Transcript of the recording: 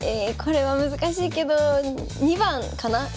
これは難しいけど２番かな？